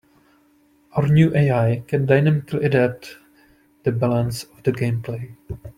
Our new AI can dynamically adapt the balance of the gameplay.